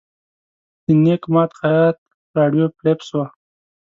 د نیک ماد خیاط راډیو فلپس وه.